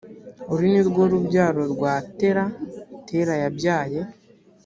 uru ni rwo rubyaro rwa tera tera yabyaye